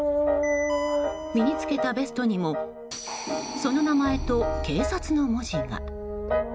身に着けたベストにもその名前と警察の文字が。